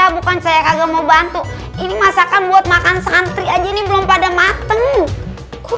bukan saya kagak mau bantu ini masakan buat makan santri aja ini belum pada matengku